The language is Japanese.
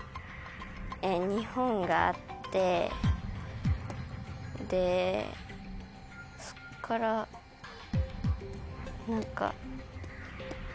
日本があってでそっから何か。